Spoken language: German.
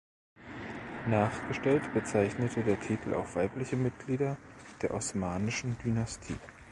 Nachgestellt bezeichnete der Titel auch weibliche Mitglieder der osmanischen Dynastie.